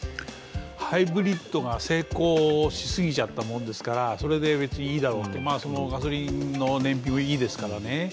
ハイブリッドが成功し過ぎちゃったもんですからそれで別にいいだろうと、ガソリンの燃費もいいですからね。